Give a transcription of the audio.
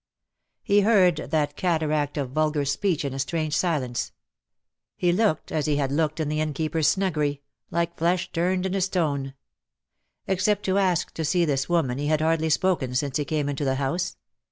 He heard that cataract of vulgar speech in a strange silence. He looked as he had looked in the Innkeeper's snuggery, like flesh turned into stone. Except to ask to see this woman he had hardly spoken since he came into the house.